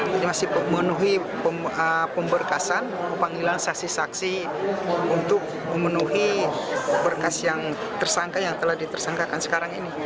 jadi masih memenuhi pemberkasan panggilan saksi saksi untuk memenuhi berkas yang tersangka yang telah ditersangkakan sekarang ini